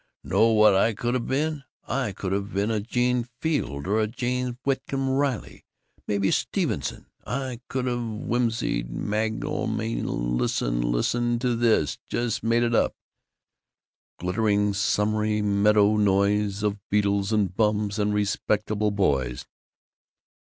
Know what I could've been? I could've been a Gene Field or a James Whitcomb Riley. Maybe a Stevenson. I could've. Whimsies. 'Magination. Lissen. Lissen to this. Just made it up: Glittering summery meadowy noise Of beetles and bums and respectable boys.